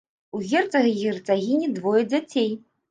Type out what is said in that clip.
У герцага і герцагіні двое дзяцей.